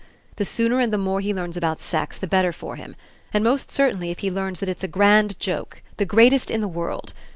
The sooner and the more he learns about sex, the better for him. And most certainly if he learns that it's a grand joke, the greatest in the world.